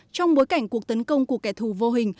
trong bối cảnh cuộc tấn công của kẻ thù vô hình